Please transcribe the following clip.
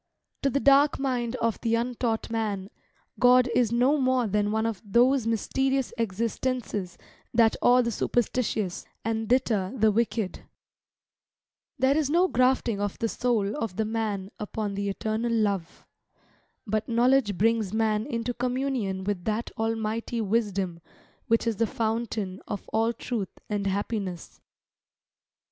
To the dark mind of the untaught man, God is no more than one of those mysterious existences that awe the superstitious, and deter the wicked. There is no grafting of the soul of the man upon the eternal love. But knowledge brings man into communion with that Almighty wisdom which is the fountain of all truth and happiness.